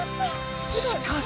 しかし。